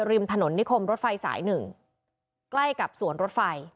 ริมถนนนิคมรถไฟสายหนึ่งใกล้กับสวนรถไฟ